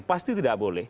pasti tidak boleh